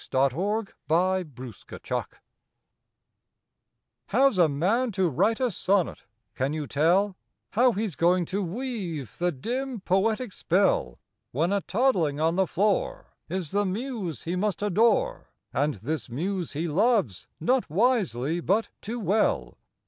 THE POET AND THE BABY How's a man to write a sonnet, can you tell, How's he going to weave the dim, poetic spell, When a toddling on the floor Is the muse he must adore, And this muse he loves, not wisely, but too well?